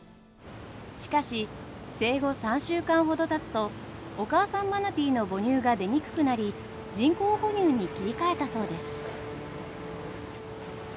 しかし生後３週間ほどたつとお母さんマナティーの母乳が出にくくなり人工哺乳に切り替えたそうです。